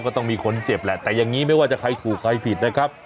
ก็ต้องมีคนเจ็บแหละแต่อย่างนี้ไม่ว่าจะใครถูกใครผิดนะครับ